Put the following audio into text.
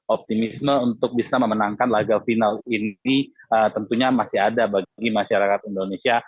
optimisme untuk bisa memenangkan laga final ini tentunya masih ada bagi masyarakat indonesia